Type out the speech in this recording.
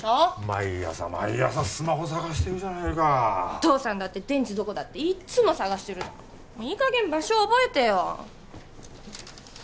毎朝毎朝スマホ捜してるじゃないかお父さんだって電池どこだっていっつも探してるじゃんいいかげん場所覚えてよ